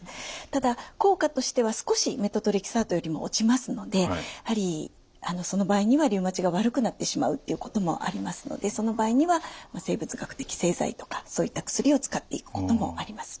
ただ効果としては少しメトトレキサートよりも落ちますのでやはりその場合にはリウマチが悪くなってしまうっていうこともありますのでその場合には生物学的製剤とかそういった薬を使っていくこともあります。